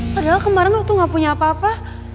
padahal kemarin lu tuh gak punya apa apa